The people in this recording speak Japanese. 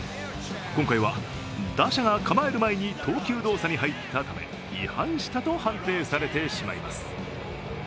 今回は、打者が構える前に投球動作に入ったため違反したと判定されてしまいます。